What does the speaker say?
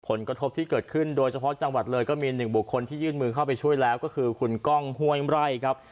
ผลกระทบที่เกิดขึ้นโดยเฉพาะจังหวัดเลยก็มีหนึ่งบุคคลที่ยื่นมือเข้าไปช่วยแล้วก็คือคุณก้องห้วยไร่ครับ